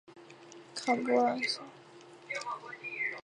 坎伯兰县是美国田纳西州东部的一个县。